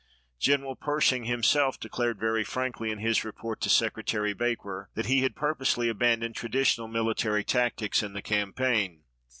General Pershing himself declared very frankly in his report to Secretary Baker that he had purposely abandoned traditional military tactics in the campaign.